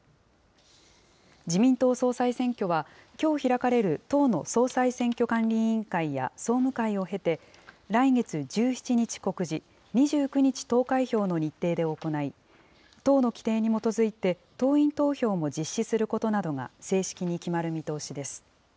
自民党総裁選挙は、きょう開かれる党の総裁選挙管理委員会や総務会を経て、来月１７日告示、２９日投開票の日程で行い、党の規程に基づいて、党員投票も実施することなどが正式に決まる見通しです。